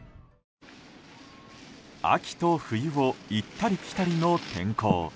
秋と冬を行ったり来たりの天候。